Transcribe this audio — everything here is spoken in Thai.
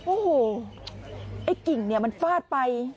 โอ้โหไอ้กิ่งเนี่ยมันฟาดไป